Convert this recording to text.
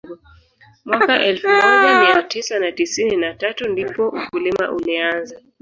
Mwaka elfu moja mia tisa na tisini na tatu ndipo ukulima ulianza